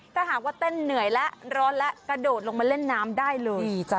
ถ้าหากว่าเต้นเหนื่อยแล้วร้อนและกระโดดลงมาเล่นน้ำได้เลย